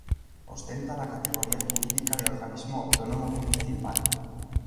Ostenta la categoría jurídica de organismo autónomo municipal.